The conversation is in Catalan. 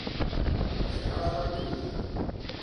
Alçar la batuda.